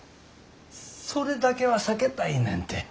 それだけは避けたいねんて。